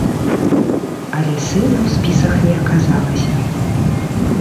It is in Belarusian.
Але сына ў спісах не аказалася.